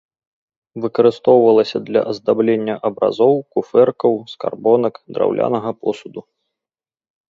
Выкарыстоўвалася для аздаблення абразоў, куфэркаў, скарбонак, драўлянага посуду.